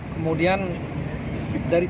kemudian dari tni